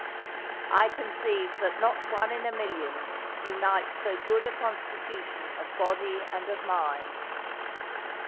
I conceive that not one in a million, unites so good a constitution of body and of mind.